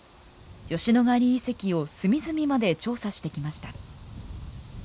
吉野ヶ里遺跡を隅々まで調査してきました。